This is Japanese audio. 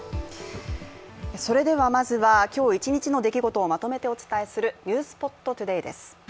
まずは今日一日の出来事をまとめてお伝えする「ｎｅｗｓｐｏｔＴｏｄａｙ」です。